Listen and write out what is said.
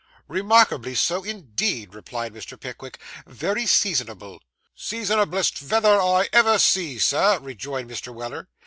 'Remarkably so, indeed,' replied Mr. Pickwick. 'Very seasonable.' 'Seasonablest veather I ever see, sir,' rejoined Mr. Weller.